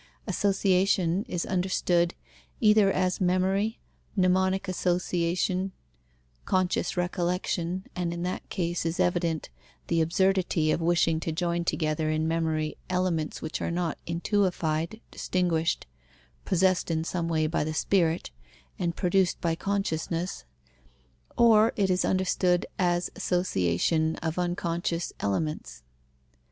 Association is understood, either as memory, mnemonic association, conscious recollection, and in that case is evident the absurdity of wishing to join together in memory elements which are not intuified, distinguished, possessed in some way by the spirit and produced by consciousness: or it is understood as association of unconscious elements.